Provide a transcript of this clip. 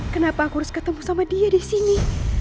kenapa aku harus ketemu sama dia disini